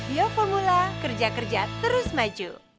yo formula kerja kerja terus maju